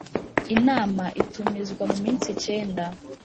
inama itumizwa mu minsi Icyenda